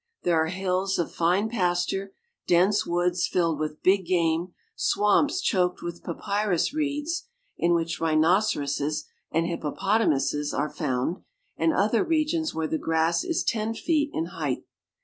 There are hills of fine pasture, dense woods filled with big game, swamps choked with papyrus reeds, in which rhinoceroses and hippopotamuses are found, and other regions where the grass is ten feet in height.